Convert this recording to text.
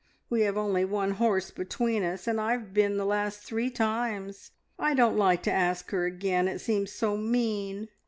We have only one horse between us, and I have been the last three times. I don't like to ask her again. It seems so mean."